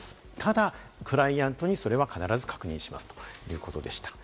ただクライアントに、それは必ず確認しますということでした。